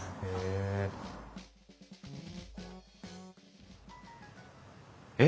へえ。